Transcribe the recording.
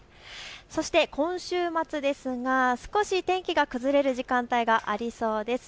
そして今週末ですが少し天気が崩れる時間帯がありそうです。